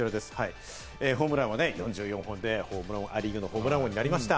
ホームランは４４本でア・リーグのホームラン王になりました。